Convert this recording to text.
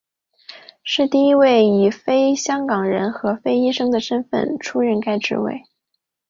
是第一位以非香港人和非医生的身份出任该职位。